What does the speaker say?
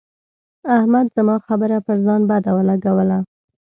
احمد زما خبره پر ځان بده ولګوله.